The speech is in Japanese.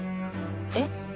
えっ？